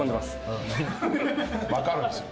分かるんすよ。